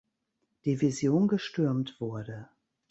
Division gestürmt wurde.